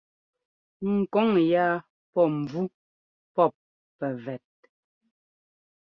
Ŋ kɔŋ yáa pɔ́ mvú pɔ́p pɛvɛt.